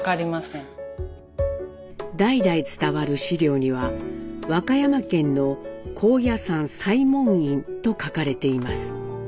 代々伝わる資料には和歌山県の「高野山西門院」と書かれています。